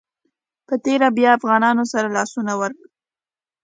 په تېره بیا افغانانو سره لاسونه ورکړي.